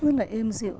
rất là êm dịu